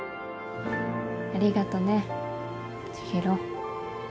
ありがとね千尋。